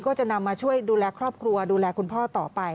ก็จะนำมาช่วยดูแลครอบครัวดูแลคุณพ่อต่อไป